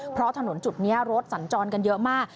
เพราะถนนจุดนี้รถสัญจรกันเยอะมาก